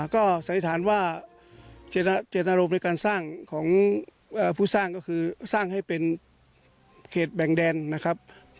ก็สันนิษฐานว่าเจตนารมณ์ในการสร้างของผู้สร้างก็คือสร้างให้เป็นเขตแบ่งแดนนะครับ